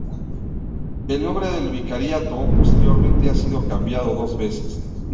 El nombre del vicariato posteriormente ha sido cambiado dos veces.